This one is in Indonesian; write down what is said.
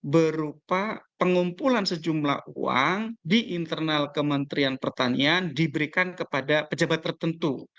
berupa pengumpulan sejumlah uang di internal kementerian pertanian diberikan kepada pejabat tertentu